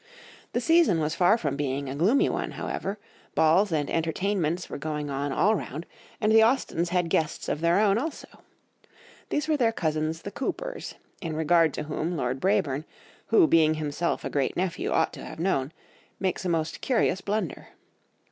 The season was far from being a gloomy one, however, balls and entertainments were going on all round, and the Austens had guests of their own also. These were their cousins the Coopers, in regard to whom Lord Brabourne, who being himself a great nephew ought to have known, makes a most curious blunder.